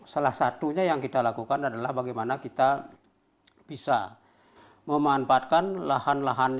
salah satunya yang kita lakukan adalah bagaimana kita bisa memanfaatkan lahan lahan